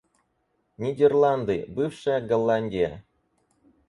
Нидерланды — бывшая Голландия.